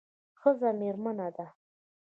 ښځه میرمن ده